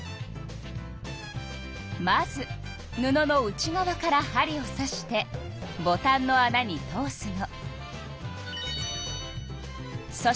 まず布の内側から針をさしてボタンのあなに通すの。